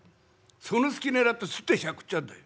その隙狙ってスッてしゃくっちゃうんだよ」。